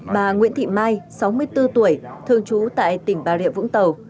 bà nguyễn thị mai sáu mươi bốn tuổi thương chú tại tỉnh bà rịa vũng tàu